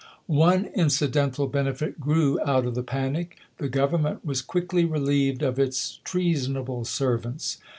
One incidental benefit grew out of the panic — the Government was quickly relieved of its trea sonable servants.